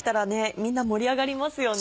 みんな盛り上がりますよね。